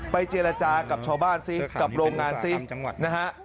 เจรจากับชาวบ้านสิกับโรงงานซินะฮะ